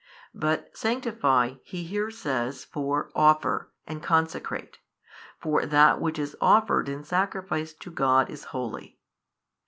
But sanctify He here says for "offer," and "consecrate;" for that which is offered in sacrifice to God is holy.